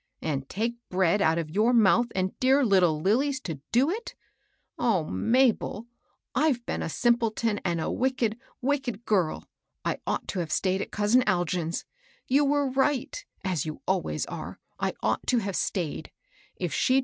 " And take bread out of your mouth and dear little Lilly's to do it I O Mabel ! I've been a simpleton and a wicked, wicked girl ! I ought to have stayed at cousin Algin's. You were right, ab you always are, — I ought to have stayed. If she'd 132 MABEL ROSS.